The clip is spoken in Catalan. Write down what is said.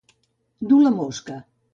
Dur la mosca.